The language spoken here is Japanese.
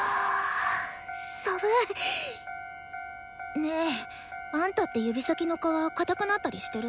ねえあんたって指先の皮硬くなったりしてる？